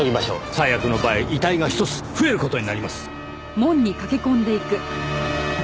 最悪の場合遺体が１つ増える事になります。